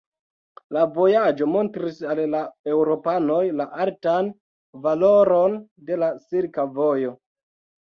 La vojaĝo montris al la eŭropanoj la altan valoron de la Silka Vojo.